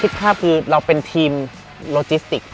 คิดภาพดิวเราเป็นทีมโลจิสติก